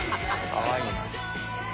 かわいいな。